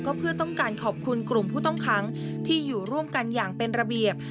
ก็เพื่อต้องการขอบคุณกลุ่มผู้ต้องขังที่อยู่ร่วมกันอย่างเป็นระเบียบ